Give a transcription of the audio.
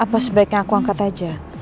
apa sebaiknya aku angkat aja